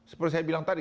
seperti saya bilang tadi